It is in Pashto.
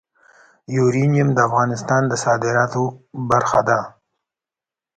یورانیم د افغانستان د صادراتو برخه ده.